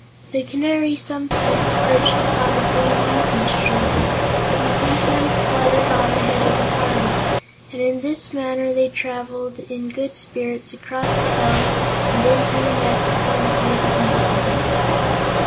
The Canary sometimes perched upon the Green Monkey's shoulder and sometimes fluttered on ahead of the party, and in this manner they traveled in good spirits across that valley and into the next one to the east of it.